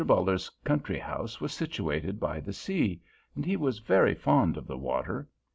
Buller's country house was situated by the sea, and he was very fond of the water.